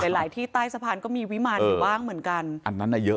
หลายที่ใต้สะพานก็มีวิมารอยู่ว่างเหมือนกัน